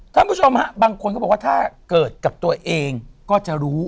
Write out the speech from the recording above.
ท่านผู้ชมฮะบางคนก็บอกว่าถ้าเกิดกับตัวเองก็จะรู้